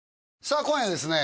さあ今夜はですね